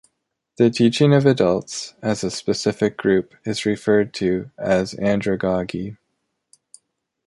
The teaching of adults, as a specific group, is referred to as andragogy.